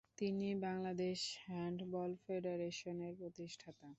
তিনি বাংলাদেশ হ্যান্ডবল ফেডারেশনের প্রতিষ্ঠাতা।